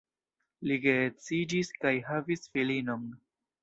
Li geedziĝis kaj havis filinon.